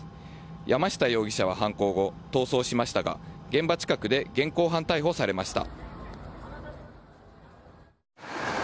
山下容疑者は犯行後、逃走しましたが現場近くで現行犯逮捕されました。